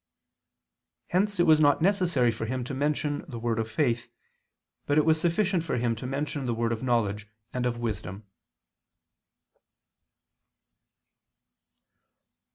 Hence it was not necessary for him to mention the word of faith, but it was sufficient for him to mention the word of knowledge and of wisdom.